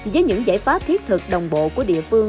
với những giải pháp thiết thực đồng bộ của địa phương